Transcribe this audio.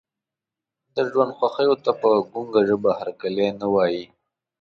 د ژوند خوښیو ته په ګونګه ژبه هرکلی نه وایي.